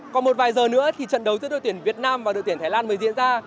còn một vài giờ nữa thì trận đấu giữa đội tuyển việt nam và đội tuyển thái lan mới diễn ra